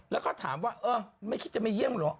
แล้วก็ถามว่าเออไม่คิดจะมาเยี่ยมเหรอ